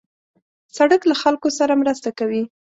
سړک له خلکو سره مرسته کوي.